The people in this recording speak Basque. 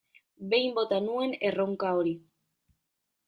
Behin bota nuen erronka hori.